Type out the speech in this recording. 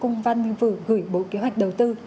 công văn vừa gửi bộ kế hoạch đầu tư